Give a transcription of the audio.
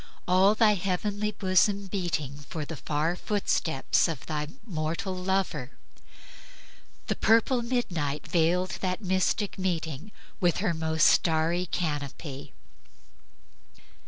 all thy heavenly bosom beating For the far footsteps of thy mortal lover; The purple midnight veiled that mystic meeting With her most starry canopy;" etc.